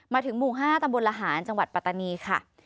มาถึงหมู่๕ตำบลละหารจังหวัดปัตตานีค่ะ